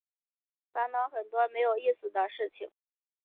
烦恼很多没意思的事情